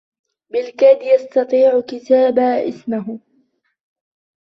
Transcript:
بالكاد يستطيع كتاب اسمه.